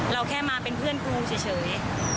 เราแค่มาเป็นเพื่อนครูเฉย